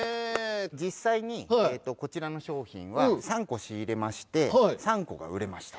実際にこちらの商品は３個仕入れまして３個が売れました。